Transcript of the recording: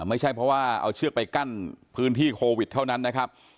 ไม่ใช่เพราะว่าเอาเชือกไปกั้นพื้นที่โควิดเท่านั้นนะครับ